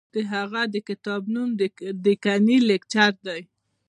د هغه د کتاب نوم دکني کلچر دی.